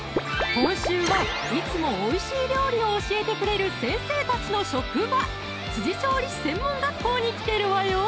今週はいつもおいしい料理を教えてくれる先生たちの職場調理師専門学校に来てるわよ